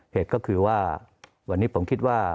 เหตุก็คือว่าวันนี้ผมคิดว่า